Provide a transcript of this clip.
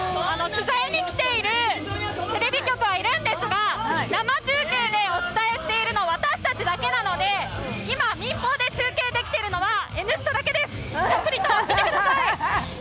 取材に来ているテレビ局はいるんですが、生中継でお伝えしているの、私たちだけなので、今民放で中継できているのは、「Ｎスタ」だけです。たっぷりと見てください。